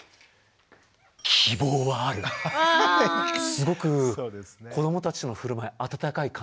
すごく子どもたちの振る舞い温かい感情。